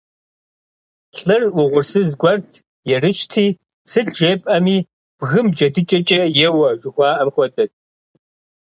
ЛӀыр угъурсыз гуэрт, ерыщти, сыт жепӀэми, бгым джэдыкӀэкӀэ еуэ, жухуаӏэм хуэдэт.